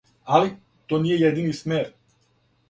Али, то није једини смер.